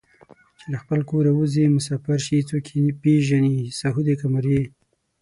چې له خپله کوره اوځي مسافر شي څوک یې پېژني ساهو دی که مریی